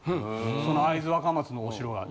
その会津若松のお城が。